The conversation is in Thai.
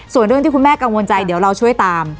ส่วนเรื่องที่คุณแม่กังวลใจเดี๋ยวเราช่วยตาม